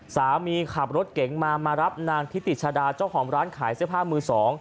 สามีขับรถเก๋งมามารับนางทิติชาดาเจ้าของร้านขายเสื้อผ้ามือสอง